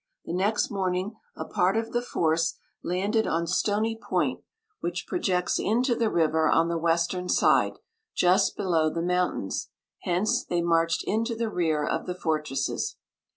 The next morning, a part of the force landed on Stony Point, which projects into the river on the western side, just below the mountains; hence they marched into the rear of the fortresses.